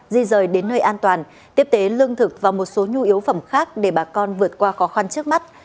di rời đến nơi an toàn tiếp tế lương thực và một số nhu yếu phẩm khác để bà con vượt qua khó khăn trước mắt